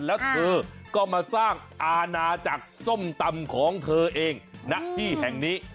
แล้วเธอก็มาสร้างอาณาจักรส้มตำของเธอเองณที่แห่งนี้